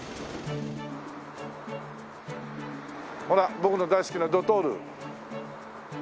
僕の大好きなドトール。